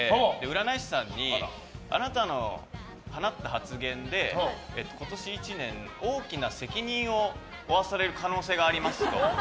占い師さんにあなたの放った発言で今年１年大きな責任を負わされる可能性がありますと。